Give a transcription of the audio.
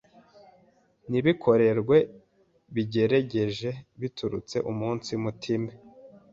n’ibikorwe bigeregere biturutse umunsi mutime